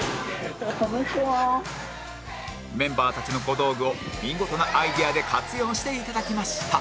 メンバーたちの小道具を見事なアイデアで活用していただきました